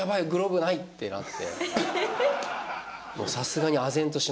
さすがに。